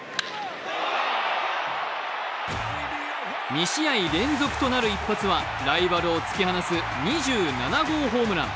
２試合連続となる一発はライバルを突き放す２７号ホームラン。